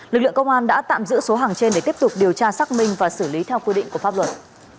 lực lượng công an đã tạm giữ số hàng trên để tiếp tục điều tra xác minh và xử lý theo quy định của pháp luật